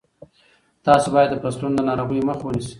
تاسو باید د فصلونو د ناروغیو مخه ونیسئ.